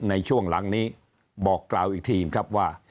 อันนี้บอกกล่าวอีกทีครับว่า